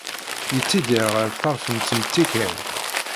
Yettidir ɣer ṭṭerf n tmetti kan.